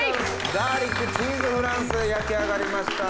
ガーリックチーズフランス焼き上がりました。